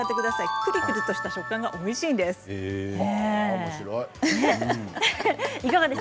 プリプリした食感がおいしいんです。